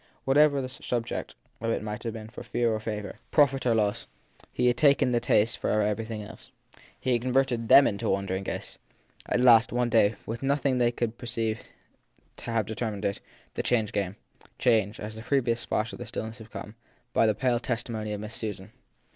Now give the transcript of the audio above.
Whatever the subject of it might have for them of fear or favour, profit or loss, he had taken the taste from every thing else. He had converted them into wandering ghosts. At last, one day, with nothing they could afterwards per ceive to have determined it, the change came came, as the previous splash in their stillness had come, by the pale testi mony of Miss Susan.